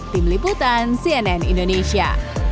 tim liputan cnn indonesia